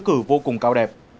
những nghĩa cử vô cùng cao đẹp